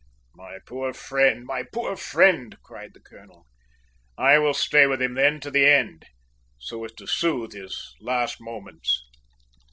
"My poor friend, my poor friend!" cried the colonel. "I will stay with him then, to the end, so as to soothe his last moments!"